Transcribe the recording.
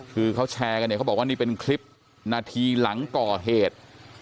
คือเขาแชร์กันเนี่ยเขาบอกว่านี่เป็นคลิปนาทีหลังก่อเหตุ